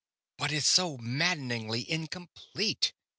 _ _"But it's so maddeningly incomplete!"